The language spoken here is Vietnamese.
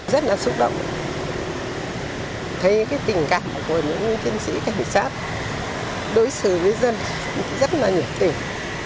rất là xúc động thấy cái tình cảm của những chiến sĩ cảnh sát đối xử với dân rất là nhiệt tình